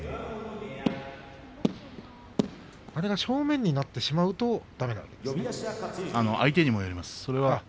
あれが正面になると相手にもよります。